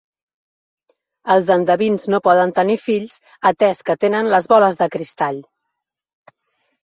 Els endevins no poden tenir fills, atès que tenen les boles de cristall.